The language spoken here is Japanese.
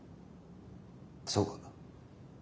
そうか。